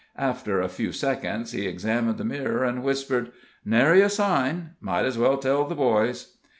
After a few seconds he examined the mirror, and whispered: "Nary a sign might's well tell the boys."